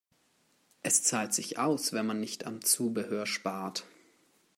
Es zahlt sich aus, wenn man nicht am Zubehör spart.